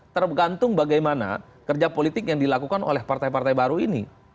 tergantung bagaimana kerja politik yang dilakukan oleh partai partai baru ini